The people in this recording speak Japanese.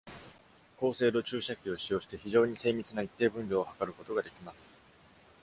高精度注射器を使用して、非常に精密な一定分量を測ることができます。